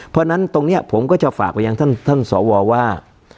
เพราะฉะนั้นตรงนี้ผมก็จะฝากไปยังท่านสวว่า